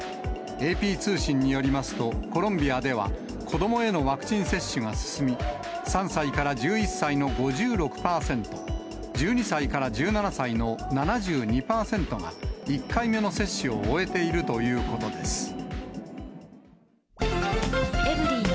ＡＰ通信によりますと、コロンビアでは子どもへのワクチン接種が進み、３歳から１１歳の５６％、１２歳から１７歳の７２％が、１回目の接種を終えているということです。